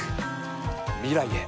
未来へ。